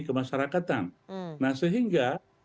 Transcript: kemasyarakatan nah sehingga